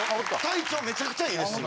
体調めちゃくちゃいいです。